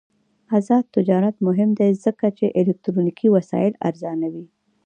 آزاد تجارت مهم دی ځکه چې الکترونیکي وسایل ارزانوي.